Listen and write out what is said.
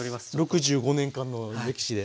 ６５年間の歴史で。